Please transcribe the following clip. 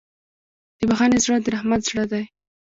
د بښنې زړه د رحمت زړه دی.